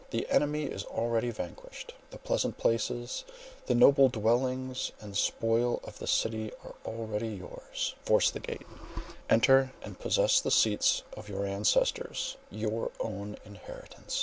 The enemy is already vanquished; the pleasant places, the noble dwellings and spoil of the city are already yours; force the gate; enter and possess the seats of your ancestors, your own inheritance!"